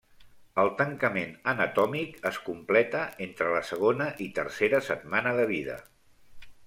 El tancament anatòmic es completa entre la segona i tercera setmana de vida.